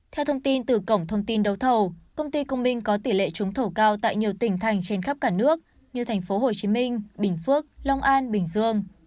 theo thông tin từ cổng thông tin đấu thầu công ty công minh có tỷ lệ trúng thầu cao tại nhiều tỉnh thành trên khắp cả nước như thành phố hồ chí minh bình phước long an bình dương